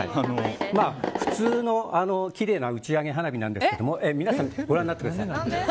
普通のきれいな打ち上げ花火ですが皆さん、ご覧になってください。